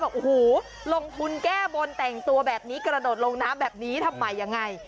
บอกโอ้โหลงทุนแก้บนแต่งตัวแบบนี้กระโดดลงน้ำแบบนี้ทำไมยังไง